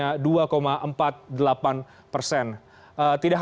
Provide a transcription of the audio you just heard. tidak hanya dari arsc atau akar rumput strategic consulting